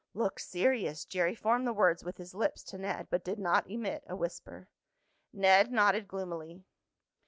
"Looks serious," Jerry formed the words with his lips to Ned, but did not emit a whisper. Ned nodded gloomily.